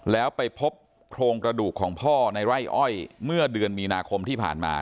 แล้วไปพบโครงกระดูกของพ่อในไร่อ้อยเมื่อเดือนมีนาคมที่ผ่านมา